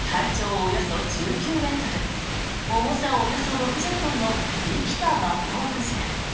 およそ１９ｍ重さおよそ６０トンの生きたマッコウクジラ。